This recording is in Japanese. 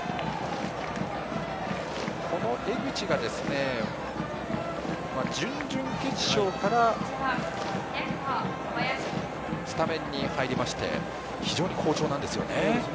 この江口が準々決勝からスタメンに入りまして非常に好調なんですよね。